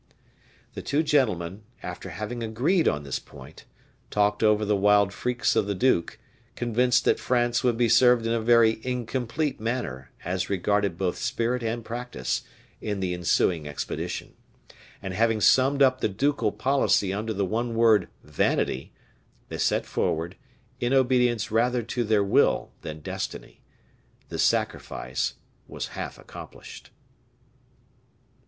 The two gentlemen, after having agreed on this point, talked over the wild freaks of the duke, convinced that France would be served in a very incomplete manner, as regarded both spirit and practice, in the ensuing expedition; and having summed up the ducal policy under the one word vanity, they set forward, in obedience rather to their will than destiny. The sacrifice was half accomplished.